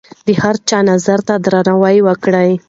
د هر چا نظر ته درناوی وکړئ.